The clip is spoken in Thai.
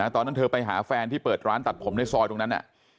ตอนนั้นเธอไปหาแฟนที่เปิดร้านตัดผมในซอยตรงนั้น